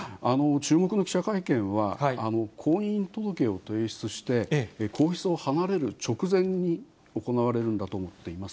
注目の記者会見は、婚姻届を提出して、皇室を離れる直前に行われるんだと思っています。